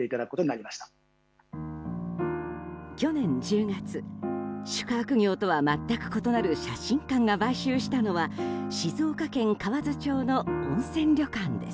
去年１０月宿泊業とは全く異なる写真館が買収したのは静岡県河津町の温泉旅館です。